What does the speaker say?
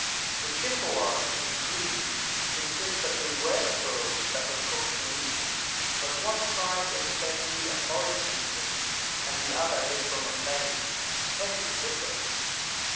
The Chippewas and Crees insist that they were squirrels that were cooked and eaten, but one tribe is essentially a forest people and the other lives on the plains hence the difference.